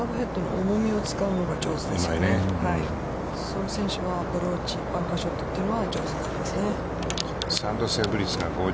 そういう選手はアプローチ、バンカーショットは上手になりますね。